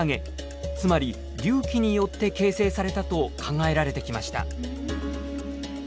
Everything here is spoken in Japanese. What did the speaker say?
つまり隆起によって形成されたと考えられてきました。